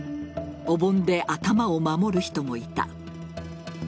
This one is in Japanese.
お盆で頭を守る人もいた。